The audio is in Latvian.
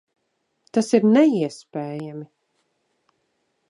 Tas ir neiespējami!